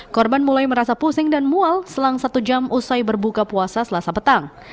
korban mulai merasa pusing dan mual selang satu jam usai berbuka puasa selasa petang